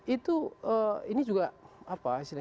itu ini juga apa istilahnya